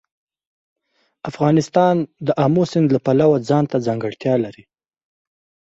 افغانستان د آمو سیند له پلوه ځانته ځانګړتیا لري.